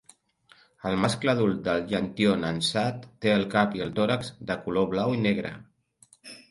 El mascle adult del llantió nansat té el cap i el tòrax de color blau i negre.